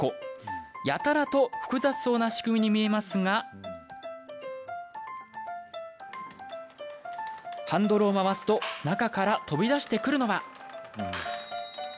やたらと複雑そうな仕組みに見えますがハンドルを回すと中から飛び出してくるのは？